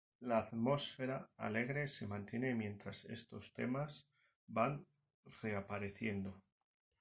La atmósfera alegre se mantiene mientras estos temas van reapareciendo.